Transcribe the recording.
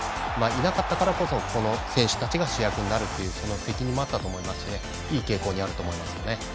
いなかったからこそ選手たちが主役になるというその責任もあったと思いますしいい傾向にあると思いますね。